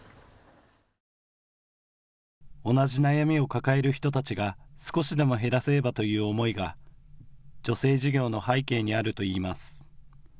同じ悩みを抱える人たちが少しでも減らせればという思いが助成事業の背景にあるといいます。